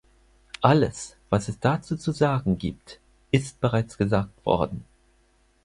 Alles, was es dazu zu sagen gibt, ist bereits gesagt worden.